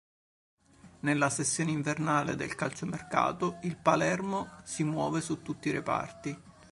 Nella sessione invernale del calciomercato, il Palermo si muove su tutti i reparti.